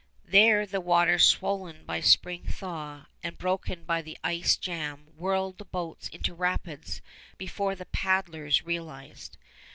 There the waters swollen by spring thaw and broken by the ice jam whirled the boats into rapids before the paddlers realized.